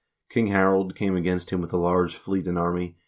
King Harald came against him with a large fleet and army, and he 1 P.